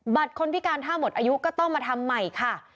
คนพิการถ้าหมดอายุก็ต้องมาทำใหม่ค่ะ